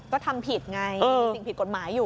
ก็ทำผิดไงมีสิ่งผิดกฎหมายอยู่